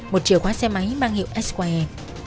một chìa khóa xe máy mang hiệu sqm